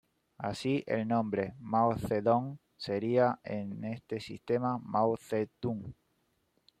Así, el nombre "Mao Zedong" sería en este sistema "Mau Tze-dung".